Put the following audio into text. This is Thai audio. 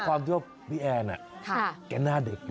กลัวพี่ไม่มีเงินกินไอติมเหรอ